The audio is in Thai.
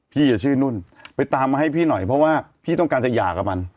พี่ชื่อนุ่นไปตามมาให้พี่หน่อยเพราะว่าพี่ต้องการจะหย่ากับมัน